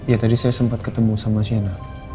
ya tadi saya sempat ketemu sama siana